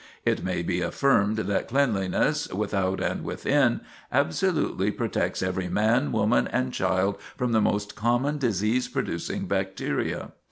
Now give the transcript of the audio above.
It may be affirmed that cleanliness, without and within, absolutely protects every man, woman, and child from the most common disease producing bacteria.